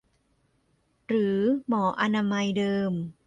หรือหมออนามัยเดิม